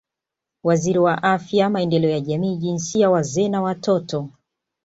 Waziri wa Afya Maendeleo ya Jamii Jinsia Wazee na Watoto